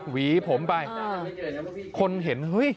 หวีผมไปคนเห็น